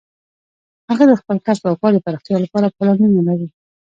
هغه د خپل کسب او کار د پراختیا لپاره پلانونه لري